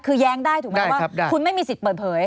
คือแย้งได้ถูกไหมว่าคุณไม่มีสิทธิ์เปิดเผย